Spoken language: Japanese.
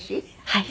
はい。